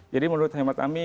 jadi menurut hemat ami